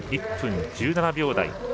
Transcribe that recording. １分１７秒台。